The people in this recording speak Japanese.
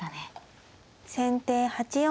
先手８四歩。